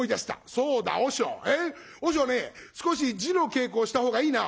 そうだ和尚和尚ね少し字の稽古をしたほうがいいな」。